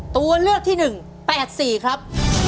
ตัวเลือกที่๑๘๔ครับ